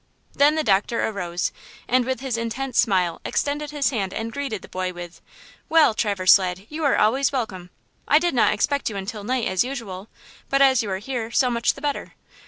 Then the doctor arose, and with his intense smile extended his hand and greeted the boy with: "Well, Traverse, lad, you are always welcome! I did not expect you until night, as usual, but as you are here, so much the better.